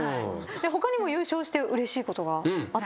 他にも優勝してうれしいことがあったんですよね？